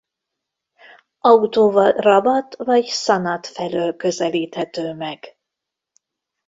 Autóval Rabat vagy Sannat felől közelíthető meg.